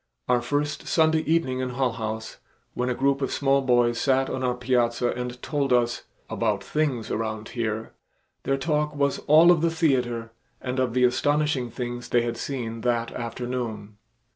Our first Sunday evening in Hull House, when a group of small boys sat on our piazza and told us "about things around here," their talk was all of the theater and of the astonishing things they had seen that afternoon.